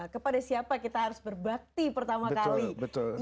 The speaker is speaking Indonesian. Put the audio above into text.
kepada siapa kita harus berbakti pertama kali